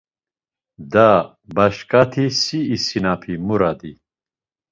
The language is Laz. Daa başǩati si isinapi Muradi!